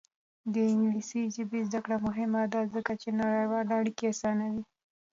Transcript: د انګلیسي ژبې زده کړه مهمه ده ځکه چې نړیوالې اړیکې اسانوي.